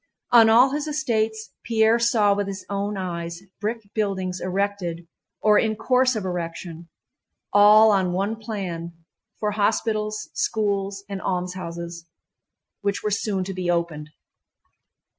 On all his estates Pierre saw with his own eyes brick buildings erected or in course of erection, all on one plan, for hospitals, schools, and almshouses, which were soon to be opened.